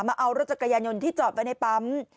มาเอารถจักรยานยนต์ที่จอดไว้ในปั๊ม